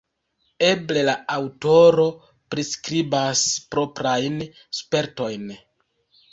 Eble la aŭtoro priskribas proprajn spertojn.